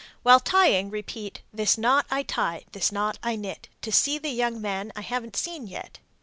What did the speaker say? While tying repeat, This knot I tie, this knot I knit, To see the young man I haven't seen yet.